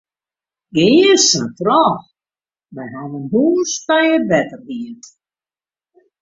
Wy hawwe in hûs by it wetter hierd.